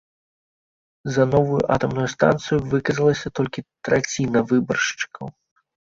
За новую атамную станцыю выказалася толькі траціна выбаршчыкаў.